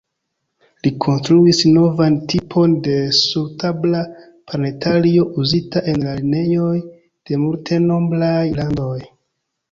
Li konstruis novan tipon de sur-tabla planetario uzita en la lernejoj de multenombraj landoj.